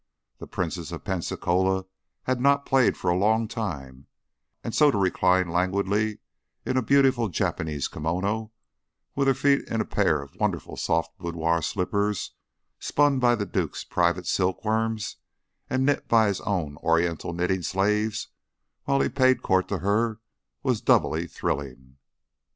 The Princess Pensacola had not played for a long time, and so to recline languidly in a beautiful Japanese kimono, with her feet in a pair of wonderful soft boudoir slippers spun by the duke's private silkworms and knit by his own oriental knitting slaves, while he paid court to her, was doubly thrilling.